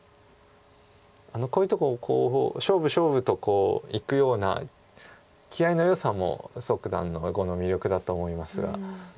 こういうとこ勝負勝負とこういくような気合いのよさも蘇九段の碁の魅力だと思いますが。